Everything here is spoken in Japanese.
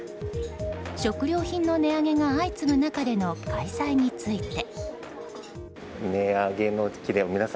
食料品の値上げが相次ぐ中での開催について。